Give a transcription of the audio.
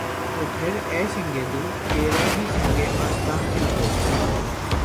تو پھر‘ اے سنگ دل! تیرا ہی سنگِ آستاں کیوں ہو؟